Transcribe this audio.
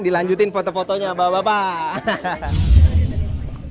dilanjutin foto fotonya bapak bapak